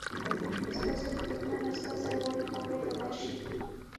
ستاسو د دښمن استازی غواړي خاورې ته درشي.